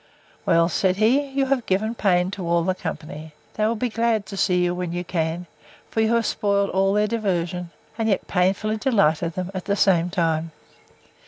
—— Well, said he, you have given pain to all the company. They will be glad to see you, when you can: for you have spoiled all their diversion; and yet painfully delighted them at the same time.